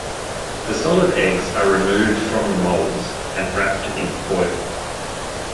The solid eggs are removed from the moulds and wrapped in foil.